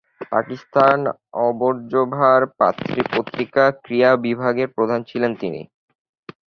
Pakistan observer পত্রিকার ক্রীড়া বিভাগের প্রধান ছিলেন তিনি।